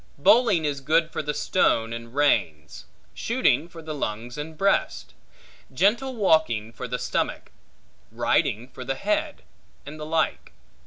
Bowling is good for the stone and reins; shooting for the lungs and breast; gentle walking for the stomach; riding for the head; and the like.